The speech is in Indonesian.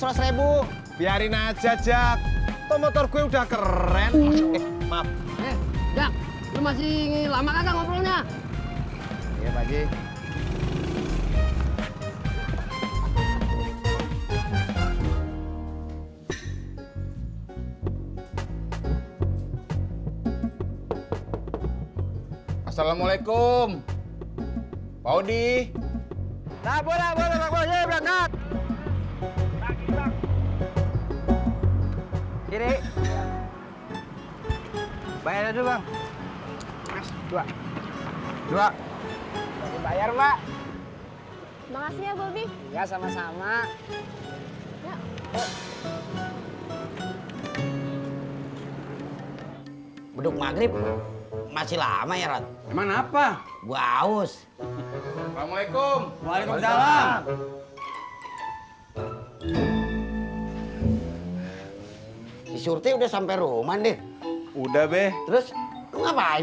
ribu biarin aja jak motor gue udah keren eh maaf